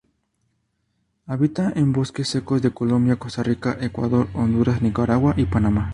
Habita en bosques secos de Colombia, Costa Rica, Ecuador, Honduras, Nicaragua y Panamá.